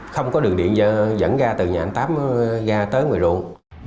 không có đường điện dẫn ra từ nhà anh nguyễn văn tám ra tới ngoài ruộng